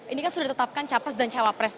ini kan sudah ditetapkan capres dan cawapres